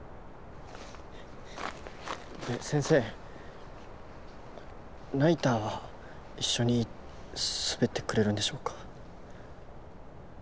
先生ナイターは一緒に滑ってくれるんでしょうか？